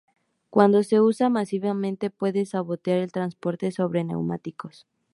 Cuando se usa masivamente puede sabotear el transporte sobre neumáticos.